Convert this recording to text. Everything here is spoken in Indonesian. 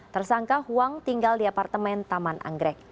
tersangka huang tinggal di apartemen taman anggrek